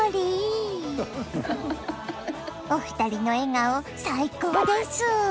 お二人の笑顔最高です！